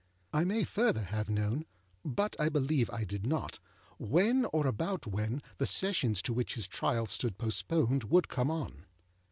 I may further have known, but I believe I did not, when, or about when, the Sessions to which his trial stood postponed would come on.